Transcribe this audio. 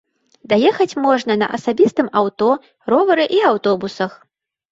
Даехаць можна на асабістым аўто, ровары і аўтобусах.